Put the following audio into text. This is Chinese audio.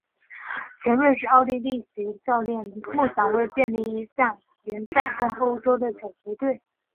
前瑞士奥地利籍教练梦想为建立一项联赛供欧洲的小球队或未能夺冠的球队比赛。